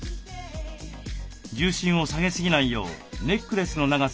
重心を下げすぎないようネックレスの長さは鎖骨の下くらい。